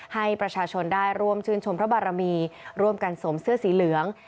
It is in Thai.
ให้ประชาชนได้ร่วมชื่นชมพระบารมีร่วมกันสวมเสื้อสีเหลือง